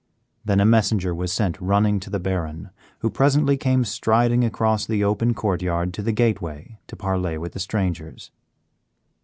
Then a messenger was sent running to the Baron, who presently came striding across the open court yard to the gateway to parley with the strangers.